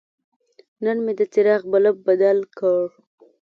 نن مې د څراغ بلب بدل کړ.